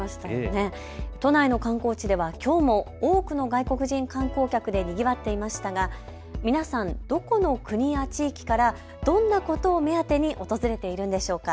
都内の観光地ではきょうも多くの外国人観光客でにぎわっていましたが皆さんどこの国や地域からどんなことを目当てに訪れているんでしょうか。